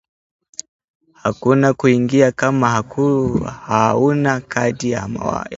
Hakuna kuingia kama hauna kadi ya mwaliko